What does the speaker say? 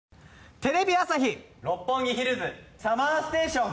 テレビ朝日・六本木ヒルズＳＵＭＭＥＲＳＴＡＴＩＯＮ